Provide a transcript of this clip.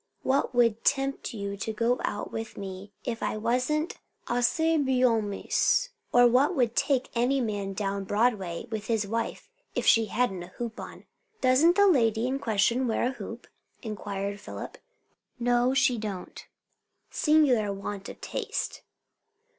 What would tempt you to go out with me if I wasn't assez bien mise? Or what would take any man down Broadway with his wife if she hadn't a hoop on?" "Doesn't the lady in question wear a hoop?" inquired Philip. "No, she don't." "Singular want of taste!"